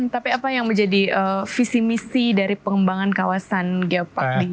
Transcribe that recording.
tapi apa yang menjadi visi misi dari pengembangan kawasan geopark